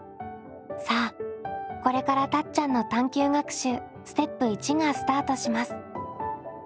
さあこれからたっちゃんの探究学習ステップ①がスタートします。